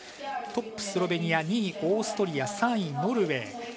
トップ、スロベニア２位、オーストリア３位、ノルウェー。